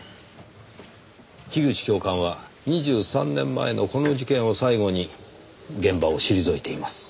樋口教官は２３年前のこの事件を最後に現場を退いています。